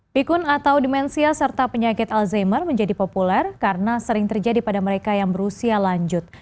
pikun atau demensia serta penyakit alzheimer menjadi populer karena sering terjadi pada mereka yang berusia lanjut